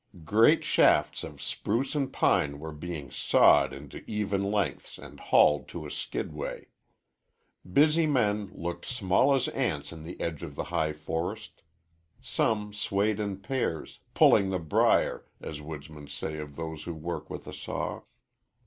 Great shafts of spruce and pine were being sawed into even lengths and hauled to a skidway. Busy men looked small as ants in the edge of the high forest. Some swayed in pairs, "pulling the briar," as woodsmen say of those who work with a saw.